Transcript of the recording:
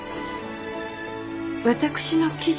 私の記事を？